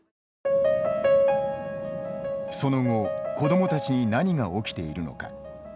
その後子どもたちに何が起きているのか。